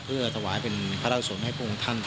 เพื่อถวายเป็นพระราชสมนตร์ให้พวกคุณท่าน